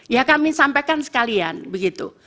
ya kami sampaikan sekalian begitu